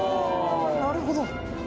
なるほど！